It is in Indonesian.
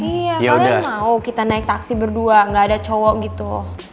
iya kalian mau kita naik taksi berdua gak ada cowok gitu